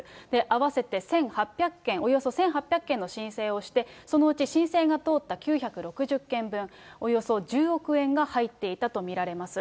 合わせて１８００件、およそ１８００件の申請をして、そのうち申請が通った９６０件分、およそ１０億円が入っていたと見られます。